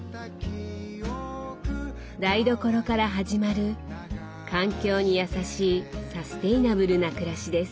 台所から始まる環境に優しいサステイナブルな暮らしです。